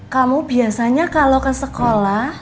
kamu biasanya kalau ke sekolah